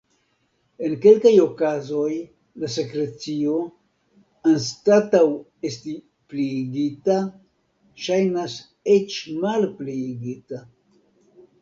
En kelkaj okazoj la sekrecio, anstataŭ esti pliigita, ŝajnas eĉ malpliigita.